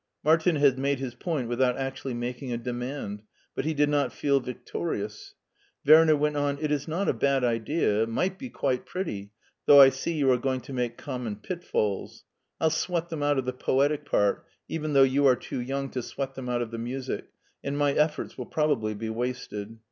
Martin had made his point without actually making a demand, but he did not feel victor ious. Werner went on': " It is not a bad idea; might be quite pretty, though I see you are going to make common pitfalls. I'll sweat them out of the poetic part even though you are too young to sweat them out of the music, and my efforts will probably be wasted.